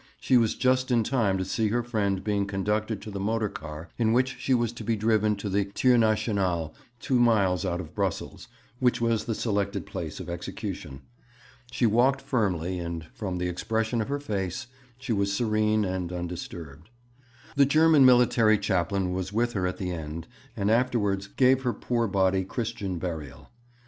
She was just in time to see her friend being conducted to the motor car in which she was to be driven to the Tir National, two miles out of Brussels, which was the selected place of execution. She walked firmly, and, from the expression of her face, she was serene and undisturbed. The German military chaplain was with her at the end, and afterwards gave her poor body Christian burial.